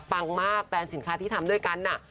ปังมากแปลงสินค้าที่ทำด้วยกัน